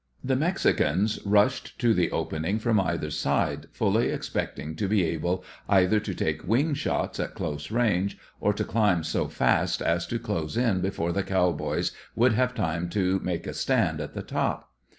The Mexicans rushed to the opening from either side, fully expecting to be able either to take wing shots at close range, or to climb so fast as to close in before the cowboys would have time to make a stand at the top.